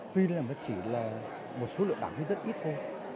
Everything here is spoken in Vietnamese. tuy là nó chỉ là một số lượng đảng viên rất ít thôi